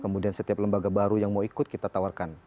kemudian setiap lembaga baru yang mau ikut kita tawarkan